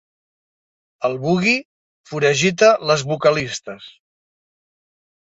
El Bugui foragita les vocalistes.